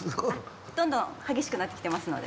どんどん激しくなってきてますので。